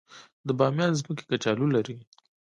د بامیان ځمکې کچالو لري